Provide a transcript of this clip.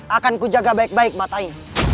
akan ku jaga baik baik matanya